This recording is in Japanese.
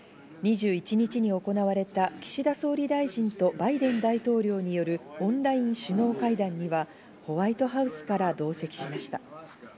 ２１日に行われた岸田総理大臣とバイデン大統領によるオンライン首脳会談にはホワイトハウスから同席しました。